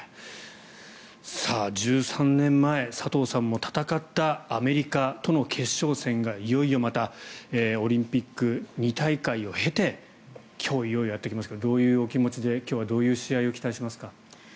１３年前佐藤さんも戦ったアメリカとの決勝戦がいよいよまたオリンピック２大会を経て今日、いよいよやってきますがどういうお気持ちで今日はどういう試合を期待しますか？